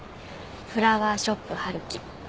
フラワーショップはるき。